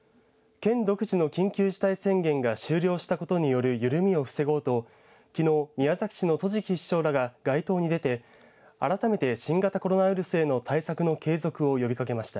県独自の緊急事態宣言が終了したことによる緩みを防ごうときのう、宮崎市の戸敷市長らが街頭に出て、改めて新型コロナウイルスへの対策の継続を呼びかけました。